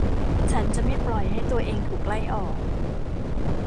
ฉันจะไม่ปล่อยให้ตัวเองถูกไล่ออก